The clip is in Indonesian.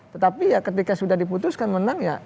tetapi ya ketika sudah diputuskan menang ya